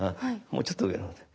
もうちょっと上の方で。